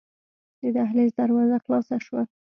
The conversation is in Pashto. د دهلېز دروازه خلاصه شوه.